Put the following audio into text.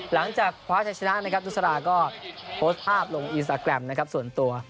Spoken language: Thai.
หลังจากคว้าชัยชนะนะครับนุษราก็โพสต์ภาพลงอินสตาแกรมนะครับส่วนตัว